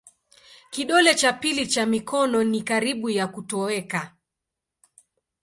Kidole cha pili cha mikono ni karibu ya kutoweka.